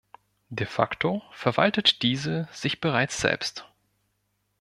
De facto verwaltet diese sich bereits selbst.